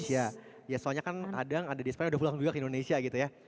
ya soalnya kan kadang ada di spr udah pulang juga ke indonesia gitu ya